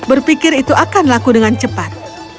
berpikir itu akan laku dengan cepat